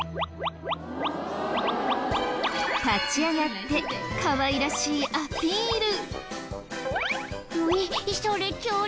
立ち上がってかわいらしいアピール！